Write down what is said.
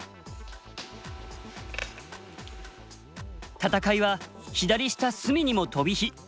戦いは左下隅にも飛び火。